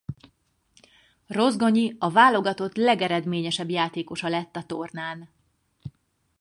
Rozgonyi a válogatott legeredményesebb játékosa lett a tornán.